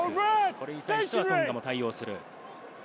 これに対してはトンガも対応する。